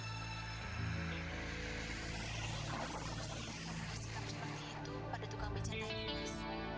kamu harus beri kasih kamu seperti itu pada tukang beca lainnya mas